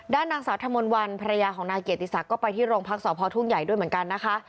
นางสาวธมนต์วันภรรยาของนายเกียรติศักดิ์ก็ไปที่โรงพักษพทุ่งใหญ่ด้วยเหมือนกันนะคะ